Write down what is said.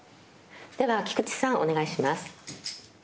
では菊池さん、お願いします。